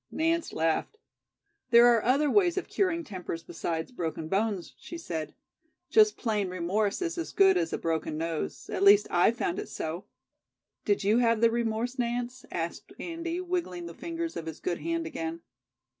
Nance laughed. "There are other ways of curing tempers besides broken bones," she said. "Just plain remorse is as good as a broken nose; at least I've found it so." "Did you have the remorse, Nance?" asked Andy, wiggling the fingers of his good hand again.